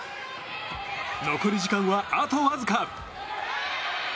残り時間は、あとわずか。